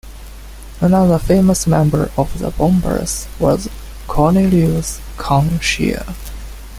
Another famous member of the Bombers was Cornelius "Con" Shea.